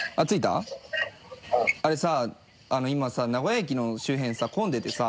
今さ名古屋駅の周辺さ混んでてさ。